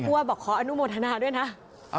ว่าบอกขออนุโมทนาด้วยนะ